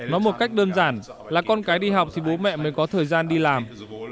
nói một cách đơn giản là con cái đi học thì bố mẹ mới có thời gian đi làm